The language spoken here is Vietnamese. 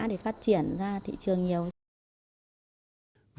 để phát triển ra thị trường nhiều